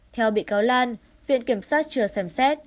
theo bị cáo lan viện kiểm sát chưa xem xét